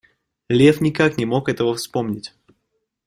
Лев никак не мог этого вспомнить.